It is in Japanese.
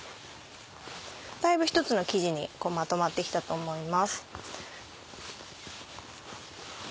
だいぶ一つの生地にまとまって来たと思います。